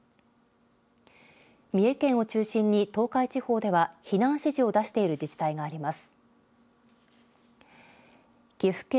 三重県を中心に東海地方では避難指示を出している自治体があります。